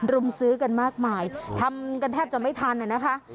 รุมซื้อกันมากมายทำกันแทบจะไม่ทันนะคะ